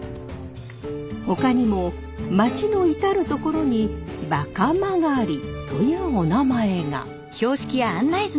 ほかにも町の至る所に馬鹿曲というおなまえが。